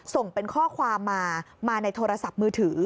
ส่งเป็นข้อความมามาในโทรศัพท์มือถือ